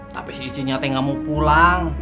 tapi si ijenya teh ga mau pulang